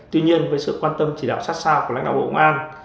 tuy nhiên với sự quan tâm chỉ đạo sát sao của lãnh đạo bộ ngoan